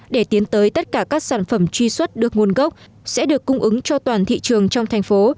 để tiến tới tất cả các sản phẩm truy xuất được nguồn gốc sẽ được cung ứng cho toàn thị trường trong thành phố